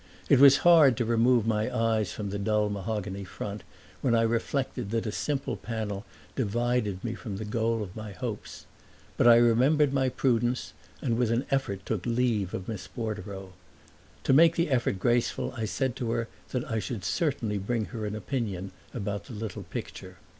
It was hard to remove my eyes from the dull mahogany front when I reflected that a simple panel divided me from the goal of my hopes; but I remembered my prudence and with an effort took leave of Miss Bordereau. To make the effort graceful I said to her that I should certainly bring her an opinion about the little picture.